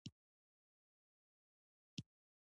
رومیان له باران وروسته خوندور وي